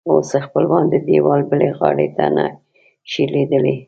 اوس خپلوان د دیوال بلې غاړې ته نه شي لیدلی.